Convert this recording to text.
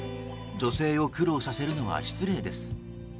女性を苦労させるのは失礼です。